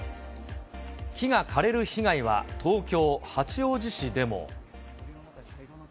木が枯れる被害は、東京・八王子市でも。